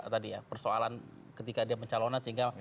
tadi ya persoalan ketika dia pencalonan sehingga